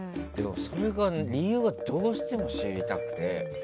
それの理由がどうしても知りたくて。